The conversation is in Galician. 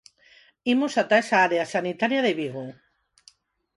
Imos ata esa área sanitaria de Vigo.